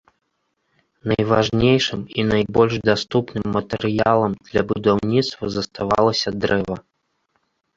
Найважнейшым і найбольш даступным матэрыялам для будаўніцтва заставалася дрэва.